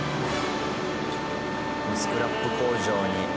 スクラップ工場に。